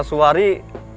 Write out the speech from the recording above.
yuk mari pak